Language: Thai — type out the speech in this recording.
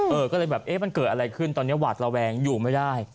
เออก็เลยแบบเอ๊ะมันเกิดอะไรขึ้นตอนนี้หวาดระแวงอยู่ไม่ได้